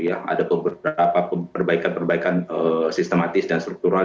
ada beberapa perbaikan perbaikan sistematis dan struktural